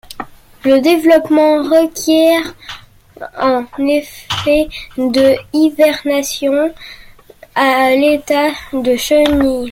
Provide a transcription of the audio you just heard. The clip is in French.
Le développement requiert en effet deux hivernations à l'état de chenille.